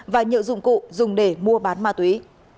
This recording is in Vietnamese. và nhiều dụng cụ dùng để mua bán ma túy